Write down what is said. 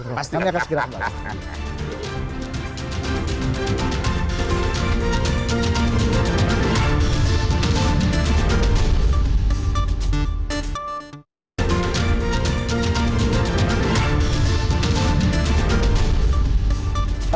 kami akan segera ambil